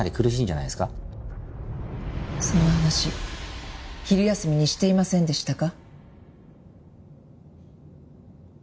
そんな話昼休みにしていませんでしたか？